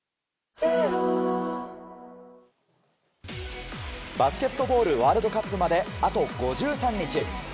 きっとバスケットボールワールドカップまで、あと５３日。